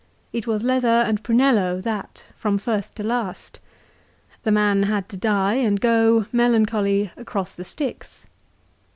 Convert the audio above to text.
It was leather and prunello, that, from first to last. The man had to die and go, melancholy, across the Styx.